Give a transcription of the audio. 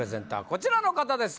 こちらの方です